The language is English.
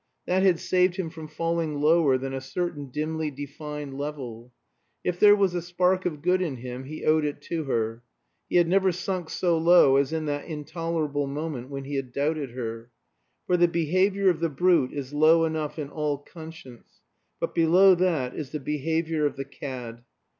That had saved him from falling lower than a certain dimly defined level. If there was a spark of good in him he owed it to her. He had never sunk so low as in that intolerable moment when he had doubted her. For the behavior of the brute is low enough in all conscience; but below that is the behavior of the cad.